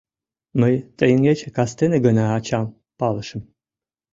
Мый теҥгече кастене гына ачам палышым.